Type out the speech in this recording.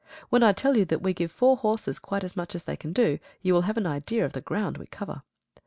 When I tell you that we give four horses quite as much as they can do, you will have an idea of the ground we cover.